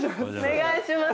お願いします。